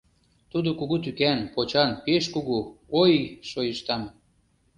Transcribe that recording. Тудо кугу тӱкан, почан, пеш кугу... ой, шойыштам.